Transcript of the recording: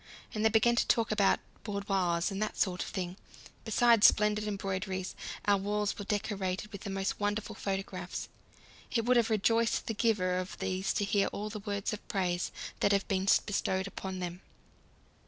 And they began to talk about "boudoirs" and things of that sort. Besides splendid embroideries, our walls were decorated with the most wonderful photographs; it would have rejoiced the giver of these to hear all the words of praise that have been bestowed upon them.